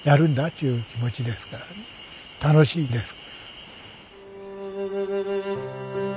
っちゅう気持ちですから楽しいです。